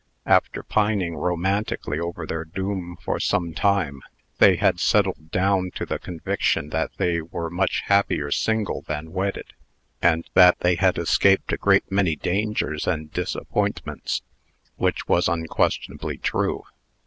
After pining romantically over their doom for some time, they had settled down to the conviction that they were much happier single than wedded, and that they had escaped a great many dangers and disappointments which was unquestionably true.